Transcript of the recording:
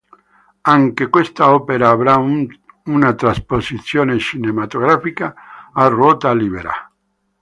Anche quest'opera avrà una trasposizione cinematografica: A ruota libera.